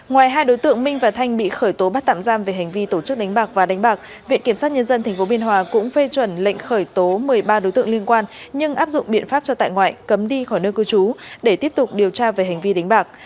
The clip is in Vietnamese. ngoài hai đối tượng minh và thanh bị khởi tố bắt tạm giam về hành vi tổ chức đánh bạc và đánh bạc viện kiểm sát nhân dân tp biên hòa cũng phê chuẩn lệnh khởi tố một mươi ba đối tượng liên quan nhưng áp dụng biện pháp cho tại ngoại cấm đi khỏi nơi cư trú để tiếp tục điều tra về hành vi đánh bạc